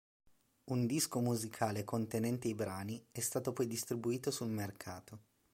Un disco musicale contenente i brani è stato poi distribuito sul mercato.